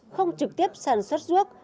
không trực tiếp sản xuất ruốc